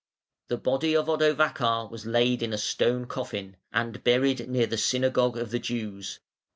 The body of Odovacar was laid in a stone coffin, and buried near the synagogue of the Jews.